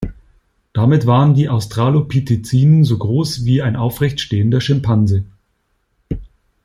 Damit waren die Australopithecinen so groß wie ein aufrecht stehender Schimpanse.